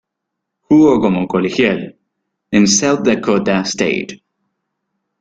Jugo como colegial en South Dakota State.